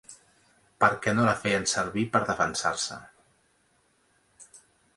Per què no la feien servir per defensar-se.